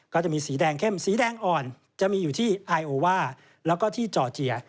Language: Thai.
ก็จะมีสีแดงเข้มสีแดงอ่อนจะมีอยู่ที่ไอโอว่าแล้วก็ที่จอร์เจีย